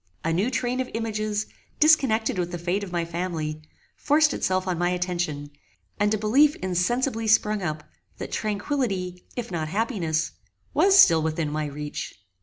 A new train of images, disconnected with the fate of my family, forced itself on my attention, and a belief insensibly sprung up, that tranquillity, if not happiness, was still within my reach.